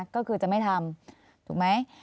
ก็คือจะไม่ทำ